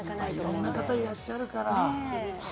いろんな方がいらっしゃるから。